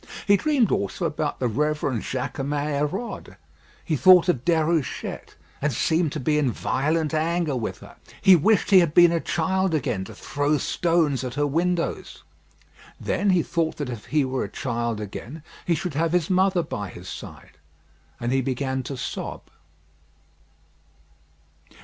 He dreamed also about the Reverend Jaquemin Hérode. He thought of Déruchette, and seemed to be in violent anger with her. He wished he had been a child again to throw stones at her windows. Then he thought that if he were a child again he should have his mother by his side, and he began to sob.